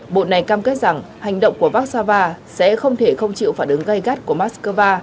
bộ này cam kết rằng hành động của vác sa va sẽ không thể không chịu phản ứng gây gắt của mắc sa va